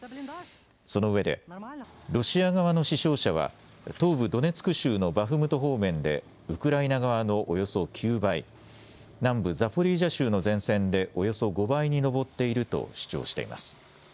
そのうえでロシア側の死傷者は東部ドネツク州のバフムト方面でウクライナ側のおよそ９倍、南部ザポリージャ州の前線でおよそ５倍に上っていると主張しています。